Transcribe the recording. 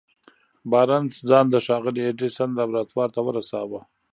بارنس ځان د ښاغلي ايډېسن لابراتوار ته ورساوه.